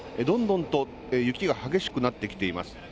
どんどんと雪が激しくなってきています。